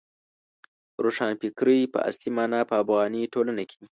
روښانفکرۍ په اصلي مانا په افغاني ټولنه کې.